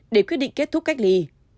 để quyết định kết thúc cách ly